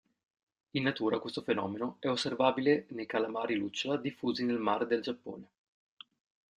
In natura, questo fenomeno è osservabile nei calamari lucciola diffusi nel mare del Giappone.